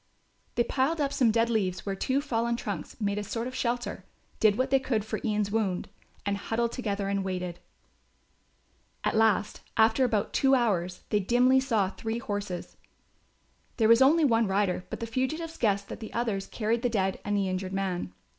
They piled up some dead leaves where two fallen trunks made a sort of shelter, did what they could for Ian's wound and huddled together and waited. At last, after about two hours, they dimly saw three horses. There was only one rider, but the fugitives guessed that the others carried the dead and the injured man.